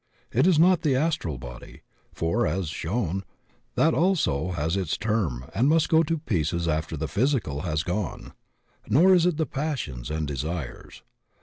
It is not the astral body, for, as shown, that also has its term and must go to pieces after the physical has gone. Nor is it the passions and desires.